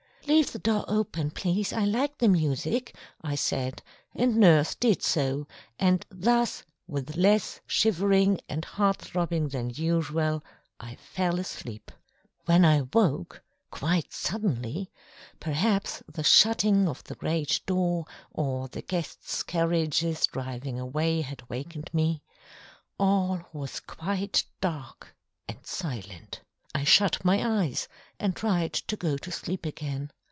"Leave the door open, please, I like the music," I said, and nurse did so, and thus with less shivering and heart throbbing than usual I fell asleep. When I woke quite suddenly perhaps the shutting of the great door, or the guests' carriages driving away had wakened me all was quite dark and silent. I shut my eyes, and tried to go to sleep again.